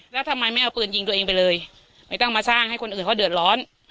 แล้วทำไมไม่เอาปืนยิงตัวเองไปเลยไม่ต้องมาสร้างให้คนอื่นเขาเดือดร้อน